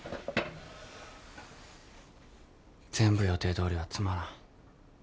全部予定どおりはつまらん。